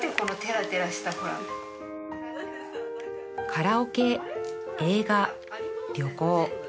カラオケ映画旅行